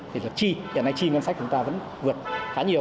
hiện nay chi ngân sách chúng ta vẫn vượt khá nhiều